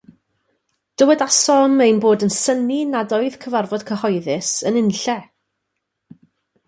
Dywedasom ein bod yn synnu nad oedd cyfarfod cyhoeddus yn unlle.